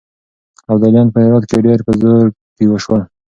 ابدالیان په هرات کې ډېر په زور کې شول.